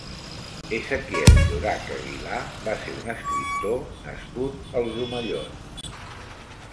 Ezequiel Llorach Aguilar va ser un escriptor nascut als Omellons.